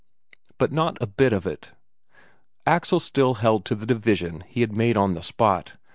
But not a bit of it Axel still held to the division he had made on the spot.